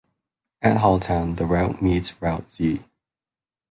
At Halltown, the Route meets Route Z.